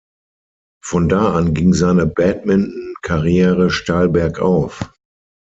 Von da an ging seine Badminton-Karriere steil bergauf.